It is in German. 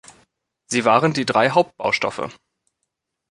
Sie waren die drei Hauptbaustoffe.